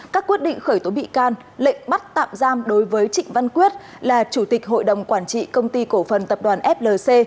các quyết định khởi tố bị can lệnh bắt tạm giam đối với trịnh văn quyết là chủ tịch hội đồng quản trị công ty cổ phần tập đoàn flc